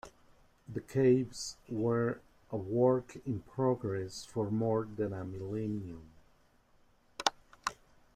The caves were a work in progress for more than a millennium.